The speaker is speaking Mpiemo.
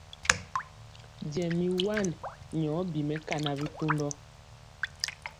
Jɛ mi wan nyɔ bi mɛkana bitundɔ.